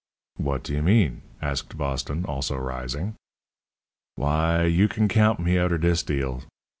"What do you mean?" asked Boston, also rising. "W'y, you can count me outer dis deal.